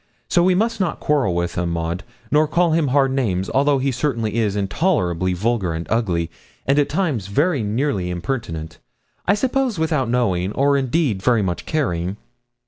So we must not quarrel with him, Maud, nor call him hard names, although he certainly is intolerably vulgar and ugly, and at times very nearly impertinent I suppose without knowing, or indeed very much caring.'